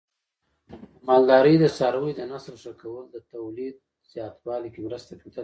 د مالدارۍ د څارویو د نسل ښه کول د تولید زیاتوالي کې مرسته کوي.